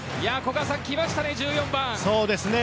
きましたね、１４番。